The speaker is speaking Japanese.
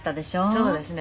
そうですね。